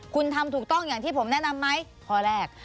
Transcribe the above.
คุณทำถูกต้องอย่างที่ผมแนะนำไหมข้อแรก